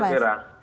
selamat sore mas